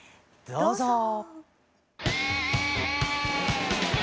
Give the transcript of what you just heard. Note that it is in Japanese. どうぞ。